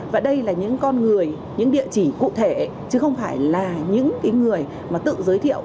và đây là những con người những địa chỉ cụ thể chứ không phải là những người mà tự giới thiệu